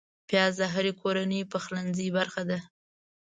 پیاز د هرې کورنۍ پخلنځي برخه ده